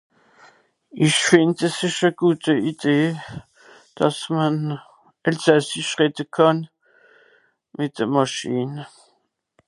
Ìch fìnd es ìsch e gute Idee, dàss man Elsassisch redde kànn, mìt de Màschin.